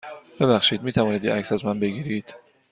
ببخشید، می توانید یه عکس از من بگیرید؟